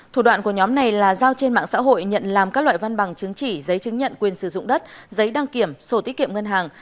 thủ đoạn của nhóm này là giao trên mạng xã hội nhận làm các loại văn bằng chứng chỉ giấy chứng nhận quyền sử dụng đất giấy đăng kiểm sổ tiết kiệm ngân hàng